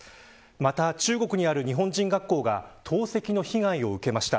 また中国にある日本人学校が投石の被害を受けました。